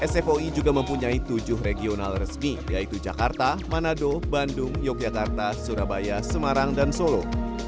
sfoi juga mempunyai tujuh regional resmi yaitu jakarta manado bandung yogyakarta surabaya semarang dan solo